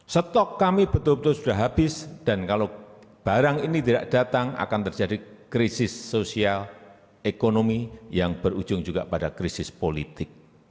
stok kami betul betul sudah habis dan kalau barang ini tidak datang akan terjadi krisis sosial ekonomi yang berujung juga pada krisis politik